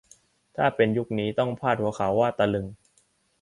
ถ้าเป็นยุคนี้ต้องพาดหัวว่า ตะลึง !